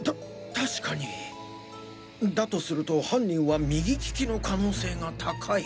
確かにだとすると犯人は右利きの可能性が高い。